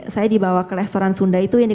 saya dibawa ke restoran sunda itu yang di